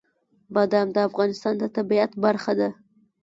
بادام د افغانستان د طبیعت برخه ده.